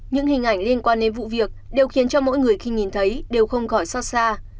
những hình ảnh liên quan đến vụ việc đều khiến cho mỗi người khi nhìn thấy đều không khỏi xót xa